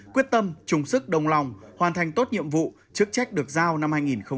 quyết tâm chung sức đồng lòng hoàn thành tốt nhiệm vụ chức trách được giao năm hai nghìn hai mươi